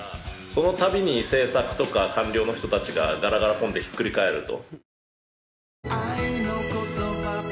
そのたびに政策とか官僚の人たちがガラガラポンでひっくり返ると。